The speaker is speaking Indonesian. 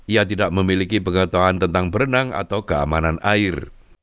ia tidak memiliki pengetahuan tentang berenang atau keamanan air